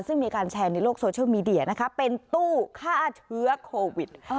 ซึ่งมีการแชร์ในโลกโซเชียลมีเดียนะคะเป็นตู้ฆ่าเชื้อโควิด